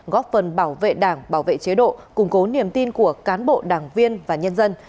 góp phần bảo vệ đảng bảo vệ chế độ củng cố niềm tin của cán bộ đảng viên và nhân dân